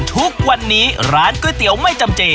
ทุกวันนี้ร้านก๋วยเตี๋ยวไม่จำเจ